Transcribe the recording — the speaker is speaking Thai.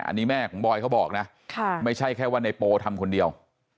อันนี้แม่ของบอยเขาบอกนะไม่ใช่แค่ว่าในโปทำคนเดียว